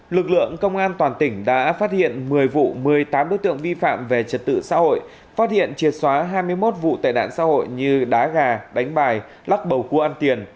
lực lượng công an toàn tỉnh đã phát hiện một mươi vụ một mươi tám đối tượng vi phạm về trật tự xã hội phát hiện triệt xóa hai mươi một vụ tệ nạn xã hội như đá gà đánh bài lắc bầu cua ăn tiền